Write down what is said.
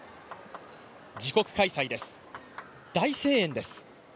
自国開催です、大声援です。